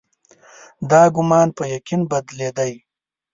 دا ګومان په یقین بدلېدی.